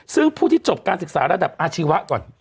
ซึ่งผู้ที่จบการศึกษาระดับอาชีวะก่อน